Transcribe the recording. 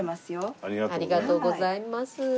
ありがとうございます。